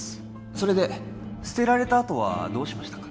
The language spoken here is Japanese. それで捨てられた後はどうしましたか？